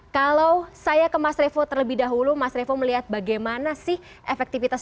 kalau saya ke mas revo terlebih dahulu mas revo melihat bagaimana sih efektivitas